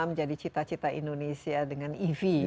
menjadi cita cita indonesia dengan ev